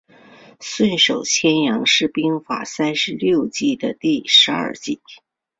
顺手牵羊是兵法三十六计的第十二计。